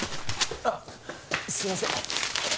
あっすいません。